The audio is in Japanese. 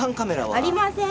ありません。